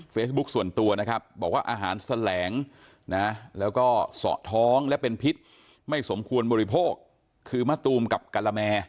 ส่วนตัวนะครับบอกว่าอาหารแสลงนะแล้วก็เสาะท้องและเป็นพิษไม่สมควรบริโภคคือมะตูมกับกะละแม